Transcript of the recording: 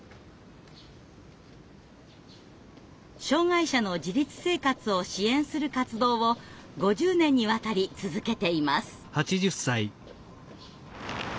障害者の自立生活を支援する活動を５０年にわたり続けています。